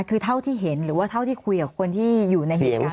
คือเท่าที่เห็นหรือว่าเท่าที่คุยกับคนที่อยู่ในเหตุการณ์